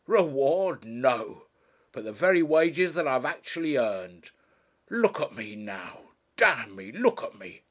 Reward! no; but the very wages that I have actually earned. Look at me now, d me, look at me!